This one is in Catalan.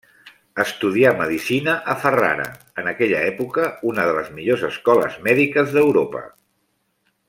Estudià medicina a Ferrara, en aquella època una de les millors escoles mèdiques d'Europa.